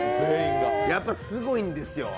やっぱすごいんですよ。